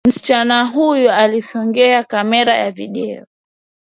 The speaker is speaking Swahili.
Msichana huyu alisongea kamera ya vidio.